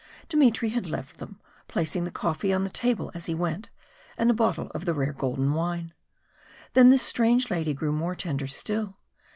Dmitry had left them, placing the coffee on the table as he went, and a bottle of the rare golden wine. Then this strange lady grew more tender still.